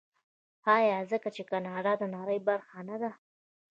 آیا ځکه چې کاناډا د نړۍ برخه نه ده؟